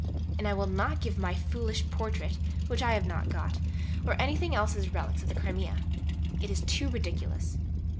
And I will not give my foolish Portrait (which I have not got) or anything else as 'relics' of the Crimea. It is too ridiculous.